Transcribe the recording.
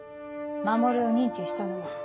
守を認知したのも。